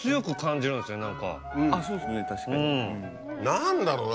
何だろうな？